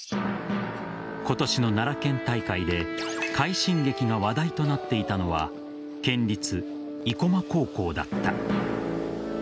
今年の奈良県大会で快進撃が話題となっていたのは県立生駒高校だった。